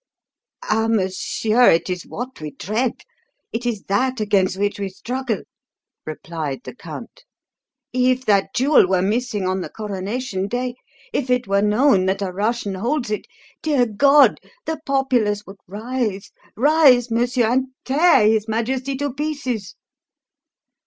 "Ah, monsieur, it is that we dread it is that against which we struggle," replied the Count. "If that jewel were missing on the coronation day, if it were known that a Russian holds it Dear God! the populace would rise rise, monsieur, and tear his Majesty to pieces."